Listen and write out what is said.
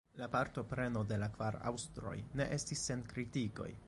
La partopreno de la kvar aŭstroj ne estis sen kritikoj.